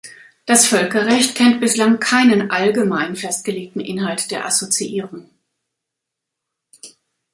Das Völkerrecht kennt bislang keinen allgemein festgelegten Inhalt der Assoziierung.